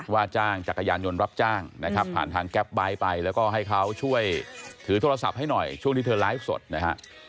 ว่าจ้างจักรยานยนต์รับจ้างนะครับผ่านทางแก๊ปไบท์ไปแล้วก็ให้เขาช่วยถือโทรศัพท์ให้หน่อยช่วงที่เธอไลฟ์สดนะฮะ